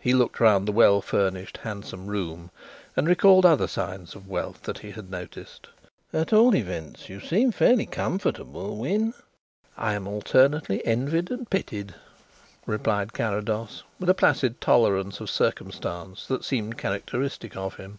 He looked round the well furnished, handsome room and recalled the other signs of wealth that he had noticed. "At all events, you seem fairly comfortable, Wynn." "I am alternately envied and pitied," replied Carrados, with a placid tolerance of circumstance that seemed characteristic of him.